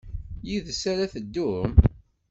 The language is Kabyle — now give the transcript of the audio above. Yid-s ara ad teddum?